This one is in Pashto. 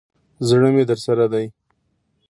زړه مي درسره دی.